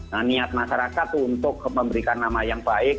nah niat masyarakat untuk memberikan nama yang baik